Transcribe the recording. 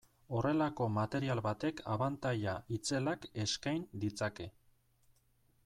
Horrelako material batek abantaila itzelak eskain ditzake.